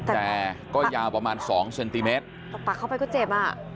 แต่ก็ยาวประมาณสองเซนติเมตรแต่ปักเข้าไปก็เจ็บอ่ะ